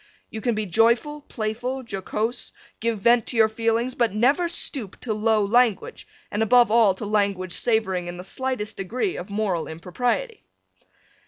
You can be joyful, playful, jocose, give vent to your feelings, but never stoop to low language and, above all, to language savoring in the slightest degree of moral impropriety.